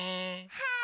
はい！